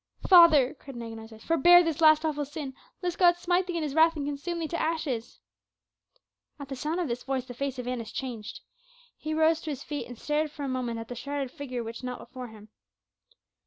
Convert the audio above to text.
"Father," cried an agonized voice, "forbear this last awful sin, lest God smite thee in his wrath and consume thee to ashes!" At the sound of this voice the face of Annas changed. He rose to his feet and stared for a moment at the shrouded figure which knelt before him.